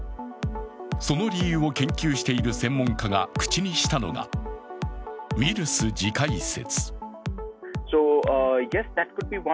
その理由を研究している専門家が口にしたのが、ウイルス自壊説。